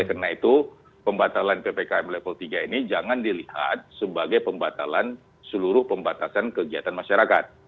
karena itu ppkm level tiga ini jangan dilihat sebagai pembatalan seluruh pembatasan kegiatan masyarakat